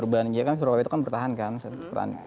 urban survival kit urban survival itu kan bertahan kan